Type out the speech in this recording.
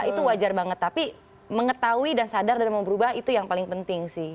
itu wajar banget tapi mengetahui dan sadar dan mau berubah itu yang paling penting sih